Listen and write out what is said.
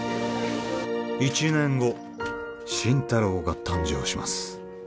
１年後心太朗が誕生します